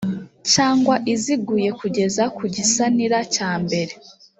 cyangwa iziguye kugeza ku gisanira cyambere